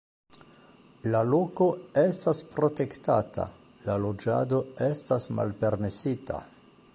La loko estas protektata, la loĝado estas malpermesita.